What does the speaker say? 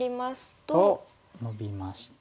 とノビまして。